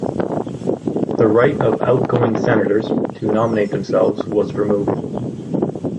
The right of outgoing senators to nominate themselves was removed.